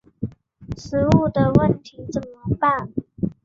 食物的问题怎么办？